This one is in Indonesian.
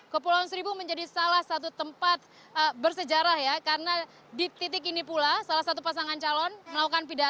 kepulauan seribu menjadi salah satu tempat bersejarah ya karena di titik ini pula salah satu pasangan calon melakukan pidato